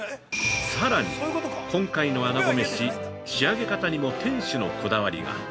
◆さらに、今回のあなご飯仕上げ方にも店主のこだわりが。